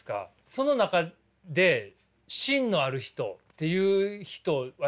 その中で芯のある人っていう人はやっぱいられますよね？